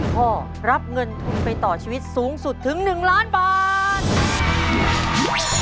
ข้อรับเงินทุนไปต่อชีวิตสูงสุดถึง๑ล้านบาท